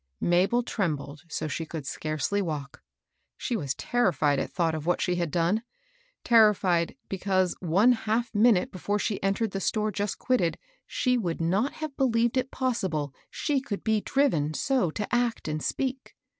Mabel trembled so she could scarcely walk. She was terrified at thought of what she had done, — terrified, because, one half minute before she entered the store just quitted, she would not have believed it possible she could be driven so to act and speak.